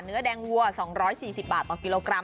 เนื้อแดงวัว๒๔๐บาทต่อกิโลกรัม